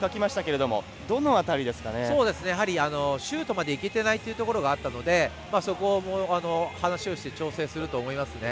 シュートまでいけていないというところがあったのでそこを、話をして調整すると思いますね。